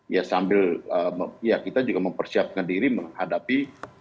ya sambil kita juga mempersiapkan diri menghadapi dua ribu dua puluh empat